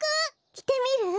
きてみる？